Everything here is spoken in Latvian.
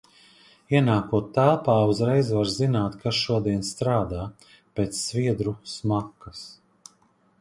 Ienākot telpā, uzreiz var zināt, kas šodien strādā - pēc sviedru smakas.